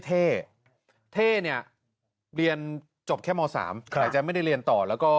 เท่เท่เนี่ยเรียนจบแค่ม๓แต่จะไม่ได้เรียนต่อแล้วก็